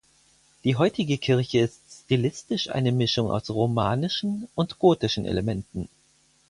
Die heutige Kirche ist stilistisch eine Mischung aus romanischen und gotischen Elementen.